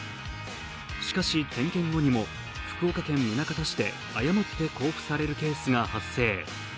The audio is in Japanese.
しかし、点検後にも福岡県宗像市で誤って交付されるケースが発生。